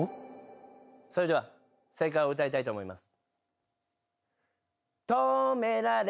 それでは正解を歌いたいと思います。